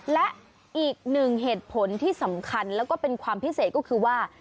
และอีกหนึ่งเหตุผลที่สำคัญแล้วก็เป็นความพิเศษก็คือว่า